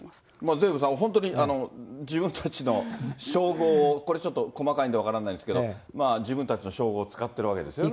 デーブさん、本当に自分たちの称号を、これちょっと、細かいんで分からないんですけど、自分たちの称号を使ってるわけですね。